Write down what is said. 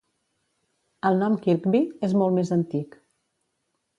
El nom Kirkby és molt més antic.